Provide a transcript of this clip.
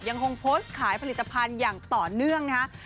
ยังคงโพสต์ขายผลิตภัณฑ์อย่างต่อเนื่องนะคะ